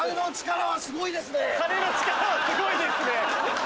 「金の力はすごいですね」。